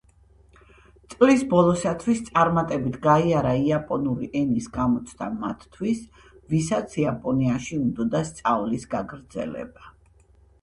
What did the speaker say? წლის ბოლოსათვის წარმატებით გაიარა იაპონური ენის გამოცდა მათთვის, ვისაც იაპონიაში უნდოდა სწავლის გაგრძელება.